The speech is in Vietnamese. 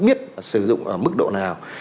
biết sử dụng ở mức độ nào